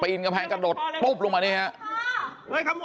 อินกำแพงกระโดดปุ๊บลงมานี่ครับ